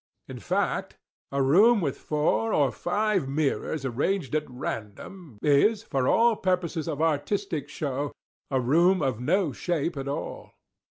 In fact, a room with four or five mirrors arranged at random, is, for all purposes of artistic show, a room of no shape at all.